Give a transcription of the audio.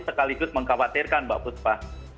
sekaligus mengkhawatirkan mbak putpa